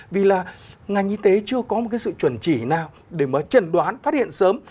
vì là ngành y tế chưa có một cái sự chuẩn chỉ nào để mà trần đoán phát hiện sớm